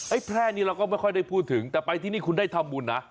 แพร่นี้เราก็ไม่ค่อยได้พูดถึงแต่ไปที่นี่คุณได้ทำบุญนะ